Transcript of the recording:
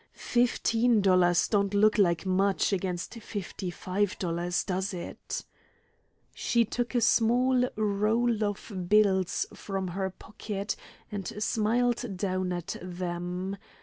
Fifteen dollars don't look like much against fifty five dollars, does it?" She took a small roll of bills from her pocket and smiled down at them.